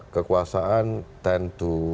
kekuasaan tend to